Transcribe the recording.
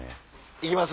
行きます？